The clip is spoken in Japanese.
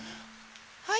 はい。